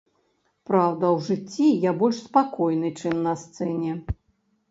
Праўда, у жыцці я больш спакойны, чым на сцэне.